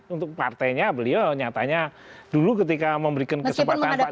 untuk partainya beliau nyatanya dulu ketika memberikan kesempatan pak jokowi